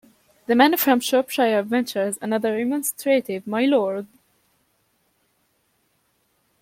The man from Shropshire ventures another remonstrative "My lord!"